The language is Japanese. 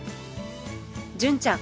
純ちゃん